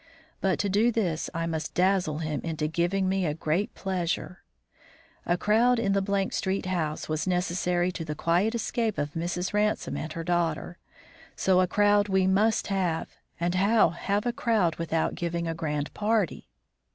But to do this I must dazzle him into giving me a great pleasure. A crowd in the Street house was necessary to the quiet escape of Mrs. Ransome and her daughter; so a crowd we must have, and how have a crowd without giving a grand party?